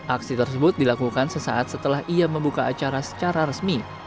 aksi tersebut dilakukan sesaat setelah ia membuka acara secara resmi